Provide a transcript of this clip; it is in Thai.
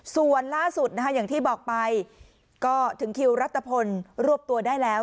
ส่วนล่าสุดนะคะอย่างที่บอกไปก็ถึงคิวรัฐพลรวบตัวได้แล้ว